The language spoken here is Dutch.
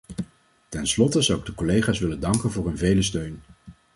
Ten slotte zou ik de collega's willen danken voor hun vele steun.